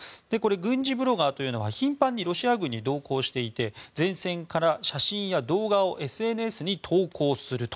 軍事ブロガーというのは頻繁にロシア軍に同行していて前線から写真や動画をＳＮＳに投稿すると。